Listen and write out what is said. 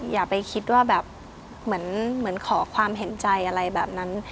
อย่าไปคิดว่าแบบเหมือนขอความเห็นใจอะไรแบบนั้น